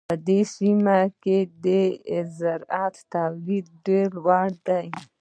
په دې سیمه کې د زراعت تولیدات ډېر لوړ دي.